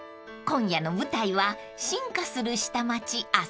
［今夜の舞台は進化する］